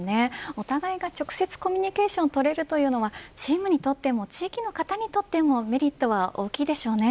お互いが直接コミュニケーションを取れるというのはチームにとっても地域の方にとっても、メリットは大きいでしょうね。